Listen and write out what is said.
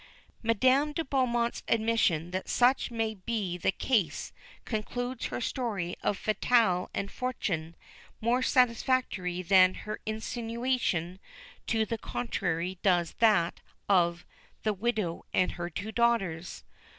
Madame de Beaumont's admission that such may be the case concludes her story of Fatal and Fortuné more satisfactorily than her insinuation to the contrary does that of The Widow and her Two Daughters.